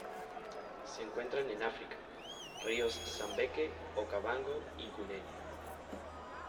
Se encuentran en África: ríos Zambeze, Okavango y Cunene.